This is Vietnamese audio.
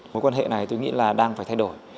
mối quan hệ này tôi nghĩ là đang phải thay đổi